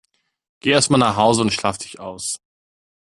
Geh erst mal nach Hause und schlaf dich aus!